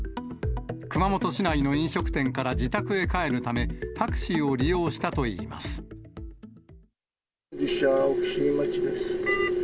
熊本市内の飲食店から自宅へ帰るため、タクシーを利用したといい実車、沖新町です。